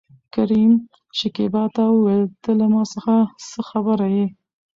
کريم شکيبا ته وويل ته له ما څخه څه خبره يې؟